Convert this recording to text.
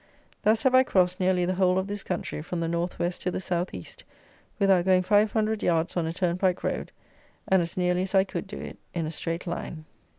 Thus have I crossed nearly the whole of this country from the North West to the South East, without going five hundred yards on a turnpike road, and, as nearly as I could do it, in a straight line.